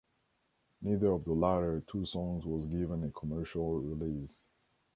Neither of the latter two songs was given a commercial release.